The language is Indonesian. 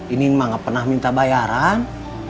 inin mah gak pernah minta bayaran